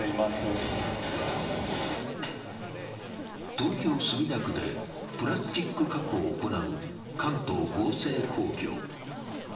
東京・墨田区で、プラスチック加工を行う関東合成工業。